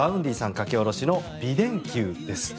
書き下ろしの「美電球」です。